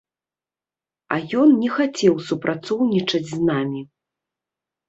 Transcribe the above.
А ён не хацеў супрацоўнічаць з намі.